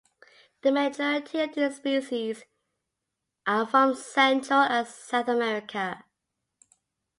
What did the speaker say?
The majority of the species are from Central and South America.